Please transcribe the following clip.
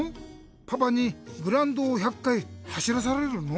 パパにグラウンドを１００かいはしらされるの？